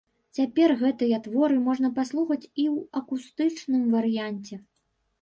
Цяпер гэтыя творы можна паслухаць і ў акустычным варыянце.